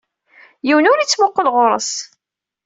Yiwen ur ittmuqqul ɣuṛ-s.